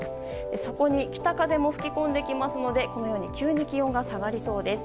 そこに北風も吹き込んできますので急に気温が下がりそうです。